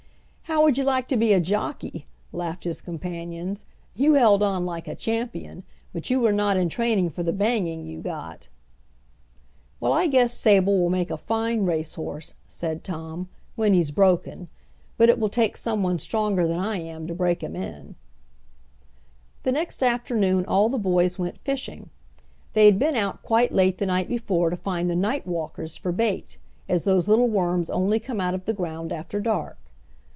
"How would you like to be a jockey!" laughed his companions. "You held on like a champion, but you were not in training for the banging you got." "Well, I guess Sable will make a fine racehorse," said Tom, "when he's broken. But it will take someone stronger than I am to break him in." The next afternoon all the boys went fishing. They had been out quite late the night before to find the "night walkers" for bait, as those little worms only come out of the ground after dark.